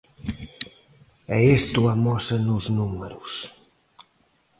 E isto amósano os números.